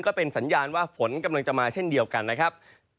ก็เป็นสัญญาณว่าฝนกำลังจะมาเช่นเดียวกันนะครับ